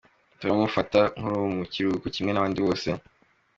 Turamufata nk’uri mu kiruhuko kimwe n’abandi bose.